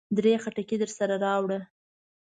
درې خټکي درسره راوړه.